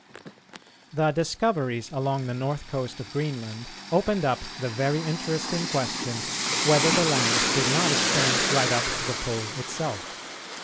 The discoveries along the north coast of Greenland opened up the very interesting question whether the land did not extend right up to the Pole itself.